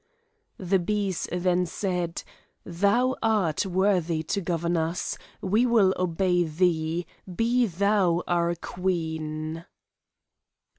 The bees then said: 'Thou art worthy to govern us we will obey thee be thou our queen!